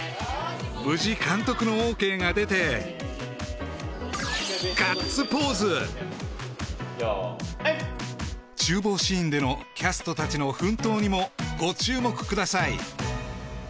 無事監督のＯＫが出てガッツポーズ・用意はい厨房シーンでのキャストたちの奮闘にもご注目ください